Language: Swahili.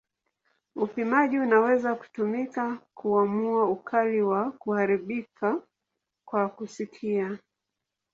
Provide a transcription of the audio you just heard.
Upimaji unaweza kutumika kuamua ukali wa kuharibika kwa kusikia.